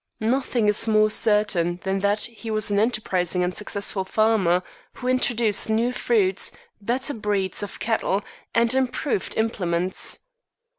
Nothing is more certain than that he was an enterprising and successful farmer, who introduced new fruits, better breeds of cattle, and improved implements.